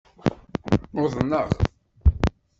Uḍneɣ.